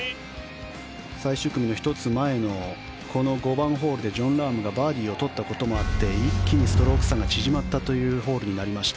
最終組の１つ前のこの５番ホールでジョン・ラームがバーディーを取ったこともあって一気にストローク差が縮まったホールになりました。